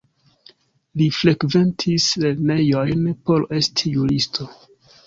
Li frekventis lernejojn por esti juristo.